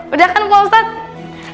udah kan ke ustadz